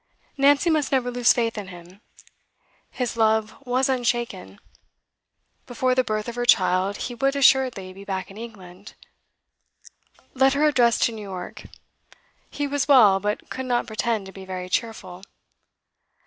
Nancy must never lose faith in him; his love was unshaken; before the birth of her child he would assuredly be back in England. Let her address to New York. He was well, but could not pretend to be very cheerful.